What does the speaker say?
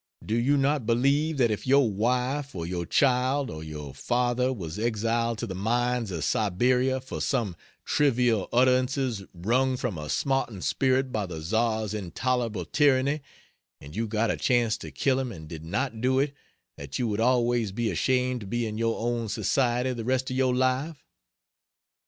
Do you not believe that if your wife or your child or your father was exiled to the mines of Siberia for some trivial utterances wrung from a smarting spirit by the Czar's intolerable tyranny, and you got a chance to kill him and did not do it, that you would always be ashamed to be in your own society the rest of your life?